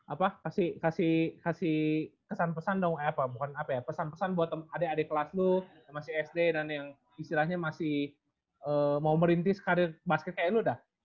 apa kasih kesan pesan dong apa bukan apa ya pesan pesan buat adik adik kelas lu yang masih sd dan yang istilahnya masih mau merintis karir basketnya ya lu udah